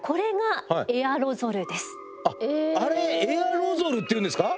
あっあれエアロゾルっていうんですか？